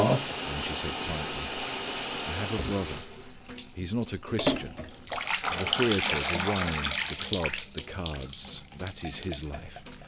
Then she said quietly, "I have a brother. He is not a Christian. The theatre, the wine, the club, the cards that is his life.